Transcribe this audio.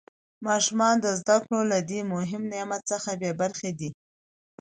ماشومان د زده کړو له دې مهم نعمت څخه بې برخې دي.